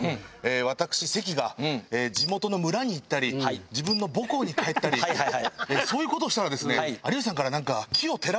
私関が地元の村に行ったり自分の母校に帰ったりそういう事をしたらですね有吉さんからなんか。